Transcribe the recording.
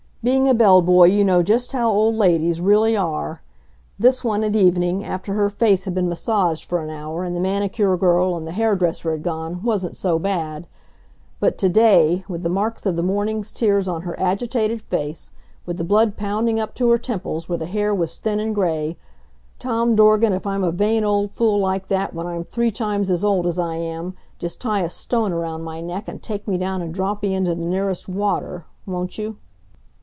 Being a bell boy you know just how old ladies really are. This one at evening, after her face had been massaged for an hour, and the manicure girl and the hair dresser had gone, wasn't so bad. But to day, with the marks of the morning's tears on her agitated face, with the blood pounding up to her temples where the hair was thin and gray Tom Dorgan, if I'm a vain old fool like that when I'm three times as old as I am, just tie a stone around my neck and take me down and drop me into the nearest water, won't you?